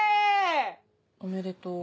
おめでとう。